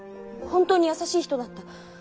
本当に優しい人だった。